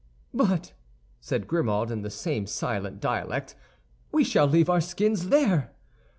"But," said Grimaud, in the same silent dialect, "we shall leave our skins there."